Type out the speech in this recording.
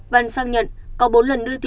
văn xác nhận có bốn lần đưa tiền